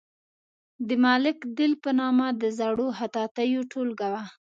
د ملک دل په نامه د زړو خطاطیو ټولګه وه.